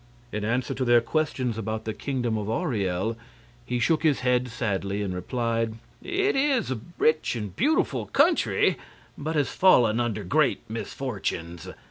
In answer to their questions about the Kingdom of Auriel, he shook his head sadly and replied: "It is a rich and beautiful country, but has fallen under great misfortunes.